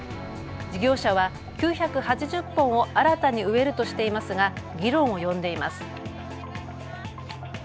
事業者は９８０本を新たに植えるとしていますが議論を呼んでいます。